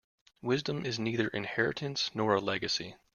Wisdom is neither inheritance nor a legacy.